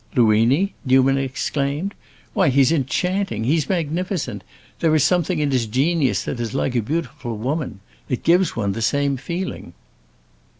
"Luini?" Newman exclaimed; "why, he's enchanting—he's magnificent! There is something in his genius that is like a beautiful woman. It gives one the same feeling."